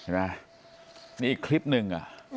นี่อีกคลิปหนึ่ง